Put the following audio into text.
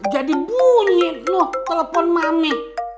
jadi bunyi loh telepon mami